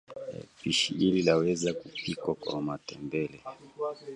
Pishi hili laweza kupikwa kwa matembele